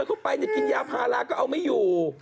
เธอเข้าไปอย่ากินยาพาร๊าก็เอาไม่อยู่